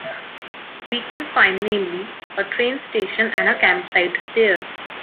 We can find namely, a train station and a campsite there.